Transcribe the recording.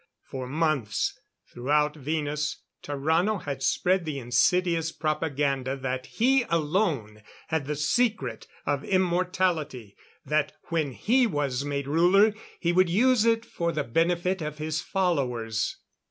For months, throughout Venus, Tarrano had spread the insidious propaganda that he alone had the secret of immortality that when he was made ruler, he would use it for the benefit of his followers.